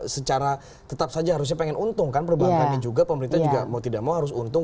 secara tetap saja harusnya pengen untung kan perbankannya juga pemerintah juga mau tidak mau harus untung